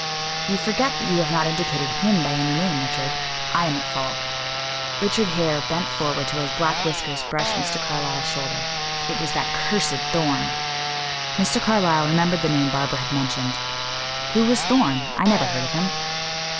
"You forget that you have not indicted 'him' by any name, Richard. I am at fault." Richard Hare bent forward till his black whiskers brushed Mr. Carlyle's shoulder. "It was that cursed Thorn." Mr. Carlyle remembered the name Barbara had mentioned. "Who was Thorn? I never heard of him."